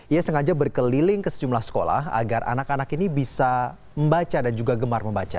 ia sengaja berkeliling ke sejumlah sekolah agar anak anak ini bisa membaca dan juga gemar membaca